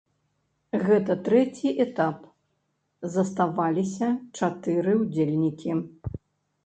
Гэта трэці этап, заставаліся чатыры удзельнікі.